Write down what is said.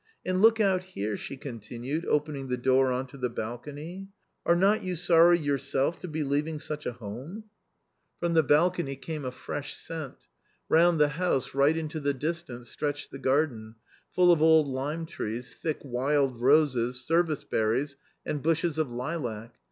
" A nd look out here." s he continued, opening the door on to the balcony^J^are not you sorry yourself to be leaving sucrTa home ?" 8 A COMMON STORY From the balcony came a fresh scent. Round the house , right into the distance stretched the garden, full of old lime , trees, thick wild roses, service berries, and bushes of lilac.